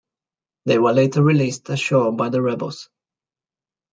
They were later released ashore by the rebels.